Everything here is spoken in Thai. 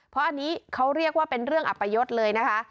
เพราะอันนี้เขาเรียกว่าเป็นเรื่องอัปยศเลยนะคะ